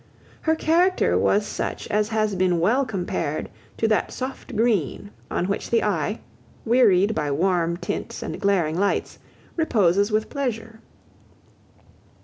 Her character was such as has been well compared to that soft green on which the eye, wearied by warm tints and glaring lights, reposes with pleasure.